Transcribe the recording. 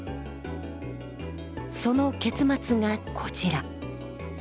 その結末がこちら。